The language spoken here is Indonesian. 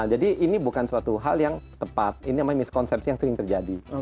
jadi ini bukan suatu hal yang tepat ini memang miskonsepsi yang sering terjadi